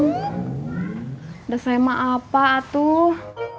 udah saya maaf pak tuh